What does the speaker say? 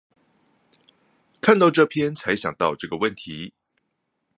看到這篇才想到這個問題